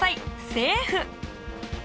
セーフ！